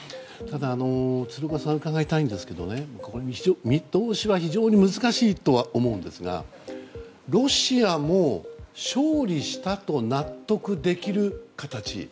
ただ、鶴岡さんに伺いたいんですが見通しは非常に難しいとは思うんですがロシアも勝利したと納得できる形。